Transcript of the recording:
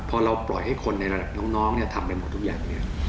พอเราปล่อยให้คนในระดับน้องทำไปหมดทุกอย่าง